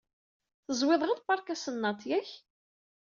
Teẓwid ɣel park asennaṭ, yak?